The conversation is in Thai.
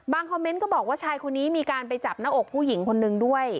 คอมเมนต์ก็บอกว่าชายคนนี้มีการไปจับหน้าอกผู้หญิงคนนึงด้วย